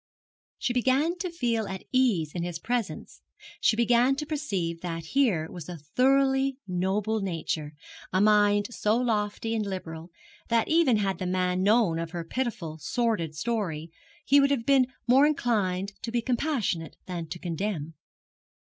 She began to feel at ease in his presence; she began to perceive that here was a thoroughly noble nature, a mind so lofty and liberal that even had the man known her pitiful sordid story he would have been more inclined to compassionate than to condemn.